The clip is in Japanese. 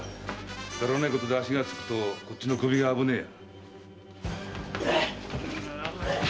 くだらねえことで足が付くとこっちの首が危ねえや。